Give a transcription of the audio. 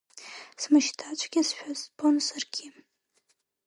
Смышьҭацәгьазшәа збон саргьы.